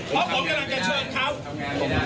เพราะผมจะเชิญเขา